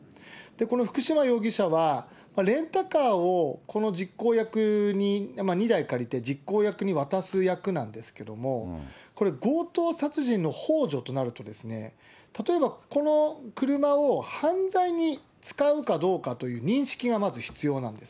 この福島容疑者は、レンタカーをこの実行役に、２台借りて、実行役に渡す役なんですけれども、強盗殺人のほう助となるとですね、例えば、この車を犯罪に使うかどうかという認識がまず必要なんです。